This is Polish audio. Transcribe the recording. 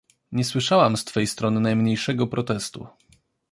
Nie słyszałam z twej strony najmniejszego protestu.